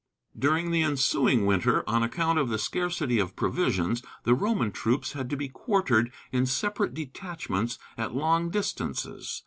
During the ensuing winter, on account of the scarcity of provisions, the Roman troops had to be quartered in separate detachments at long distances.